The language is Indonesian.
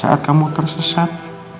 setelah kamu tersesat